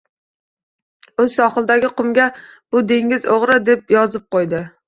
U sohildagi qumga "Bu dengiz õģri" - deb yozib qõydi